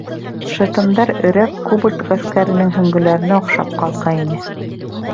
Шытымдар өрәк кобольд ғәскәренең һөңгөләренә оҡшап ҡалҡа ине.